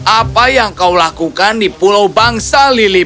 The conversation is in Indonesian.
apa yang kau lakukan di pulau bangsa lili